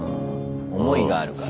思いがあるから。